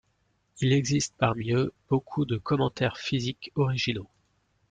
Il existe parmi eux beaucoup de commentaires physiques originaux.